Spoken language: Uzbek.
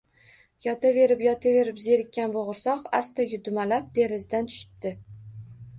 Yotaverib-yotaverib zerikkan bo’g’irsoq asta dumalab derazadan tushibdi